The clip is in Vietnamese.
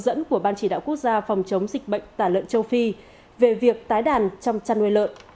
dẫn của ban chỉ đạo quốc gia phòng chống dịch bệnh tả lợn châu phi về việc tái đàn trong chăn nuôi lợn